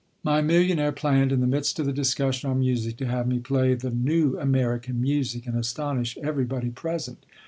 My millionaire planned, in the midst of the discussion on music, to have me play the "new American music" and astonish everybody present.